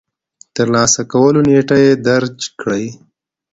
د ترلاسه کولو نېټه يې درج کړئ.